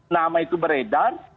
nama itu beredar